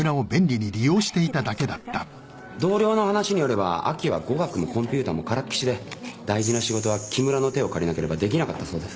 同僚の話によれば亜希は語学もコンピューターもからっきしで大事な仕事は木村の手を借りなければできなかったそうです。